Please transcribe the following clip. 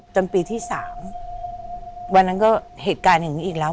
จนปีที่๓วันนั้นก็เหตุการณ์อย่างนี้อีกแล้ว